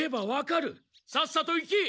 さっさと行け！